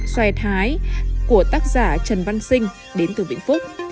xoài thái của tác giả trần văn sinh đến từ vĩnh phúc